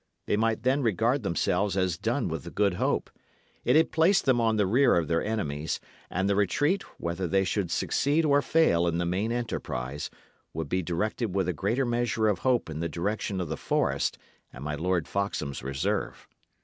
They might then regard themselves as done with the Good Hope; it had placed them on the rear of their enemies; and the retreat, whether they should succeed or fail in the main enterprise, would be directed with a greater measure of hope in the direction of the forest and my Lord Foxham's reserve.